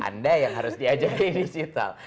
anda yang harus diajari digital